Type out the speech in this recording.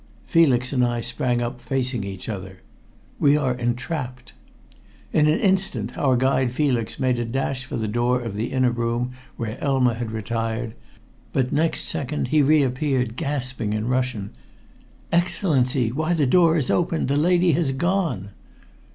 Felix and I sprang up facing each other. "We are entrapped!" In an instant our guide Felix made a dash for the door of the inner room where Elma had retired, but next second he reappeared, gasping in Russian "Excellency! Why, the door is open! The lady has gone!"